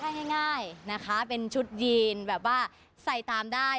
เสื้อผ้าให้ง่ายนะคะเป็นชุดยีนแบบว่าใส่ตามได้